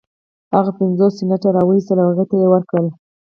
هغه پنځوس سنټه را و ايستل او هغې ته يې ورکړل.